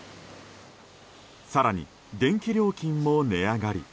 更に、電気料金も値上がり。